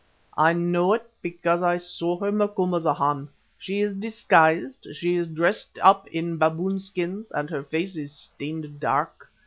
"I know it because I saw her, Macumazahn. She is disguised, she is dressed up in baboon skins, and her face is stained dark.